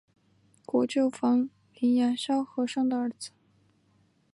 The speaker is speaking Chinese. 国舅房林牙萧和尚的儿子。